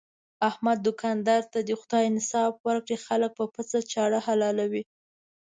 احمد دوکاندار ته دې خدای انصاف ورکړي، خلک په پڅه چاړه حلالوي.